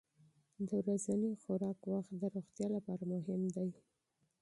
د ورځني خوراک وخت د روغتیا لپاره مهم دی.